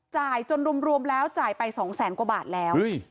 จ่ายจนรวมแล้วจ่ายไป๒แสนกว่าบาทแล้ว